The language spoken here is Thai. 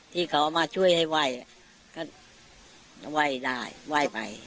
ที่เขามาช่วยให้ไหว้ก็ไหว้ได้ไหว้ไป